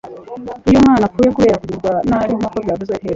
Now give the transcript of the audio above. iyo umwana apfuye kubera kugirirwa nabi nkuko byavuzwe hejuru